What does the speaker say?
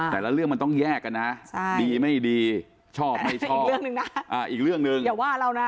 แต่ละเรื่องมันต้องแยกกันนะดีไม่ดีชอบไม่ชอบอีกเรื่องหนึ่งอย่าว่าเรานะ